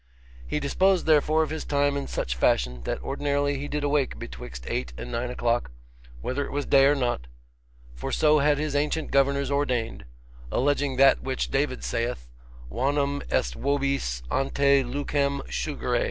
He disposed therefore of his time in such fashion, that ordinarily he did awake betwixt eight and nine o'clock, whether it was day or not, for so had his ancient governors ordained, alleging that which David saith, Vanum est vobis ante lucem surgere.